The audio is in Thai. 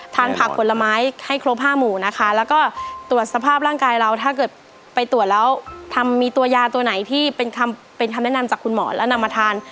ผักผลไม้ให้ครบ๕หมู่นะคะแล้วก็ตรวจสภาพร่างกายเราถ้าเกิดไปตรวจแล้วทำมีตัวยาตัวไหนที่เป็นคำเป็นคำแนะนำจากคุณหมอแล้วนำมาทาน